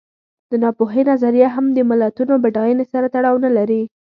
د ناپوهۍ نظریه هم د ملتونو بډاینې سره تړاو نه لري.